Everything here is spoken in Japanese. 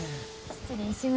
失礼します。